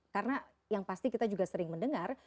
karena yang pasti kita juga sering mendengar